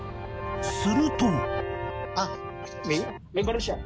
すると。